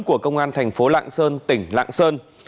của công an thành phố lạng sơn tỉnh lạng sơn